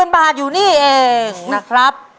๐บาทอยู่นี่เองนะครับ